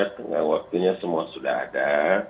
tengah waktunya semua sudah ada